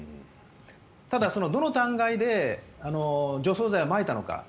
ただ、どの段階で除草剤をまいたのか。